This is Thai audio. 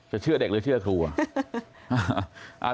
เชื่อเด็กหรือเชื่อครูอ่ะ